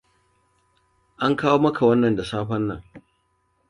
An kawo maka wannan da safen nan.